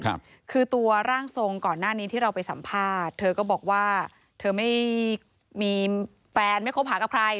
คือตัวร่างทรงก่อนหน้านี้ที่เราไปสัมภาษณ์เธอก็บอกว่าเธอไม่มีแฟนไม่คบหากับใคร